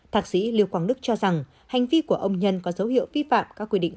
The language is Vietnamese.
thạc sĩ liêu quang đức cho rằng hành vi của ông nhân có dấu hiệu vi phạm các quy định